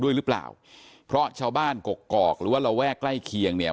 ด้วยหรือเปล่าเพราะชาวบ้านกกอกหรือว่าระแวกใกล้เคียงเนี่ย